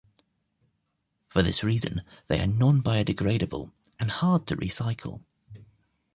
For this reason they are non-biodegradable and hard to recycle.